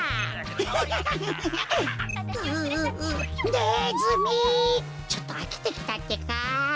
「ネズミ」ちょっとあきてきたってか。